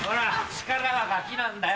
力はガキなんだよ。